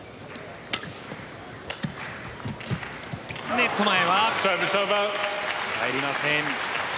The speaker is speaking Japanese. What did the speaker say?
ネット前は入りません。